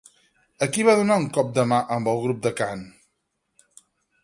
A qui va donar un cop de mà amb el grup de cant?